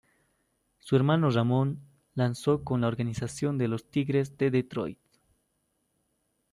Su hermano Ramón, lanzó con la organización de los Tigres de Detroit.